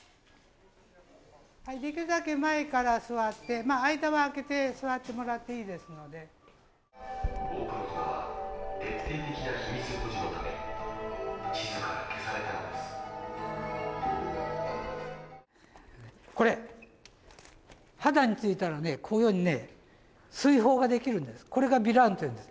はいできるだけ前から座ってまあ間は空けて座ってもらっていいですので大久野島は徹底的な秘密保持のため地図から消されたのですこれ肌についたらねこういうようにね水疱ができるんですこれがびらんっていうんです